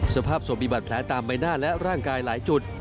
สภาพศพมีบาดแผลตามใบหน้าและร่างกายหลายจุด